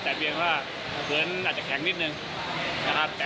แต่เบียงว่าเหมือนจะแข็งนิดนึงแต่ก็ไม่มีปัญหา